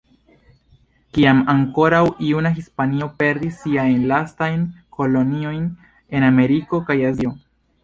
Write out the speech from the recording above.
Kiam ankoraŭ juna Hispanio perdis siajn lastajn koloniojn en Ameriko kaj Azio.